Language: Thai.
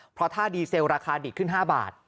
เพราะถ้าดีเซลราคาดีขึ้น๕บาท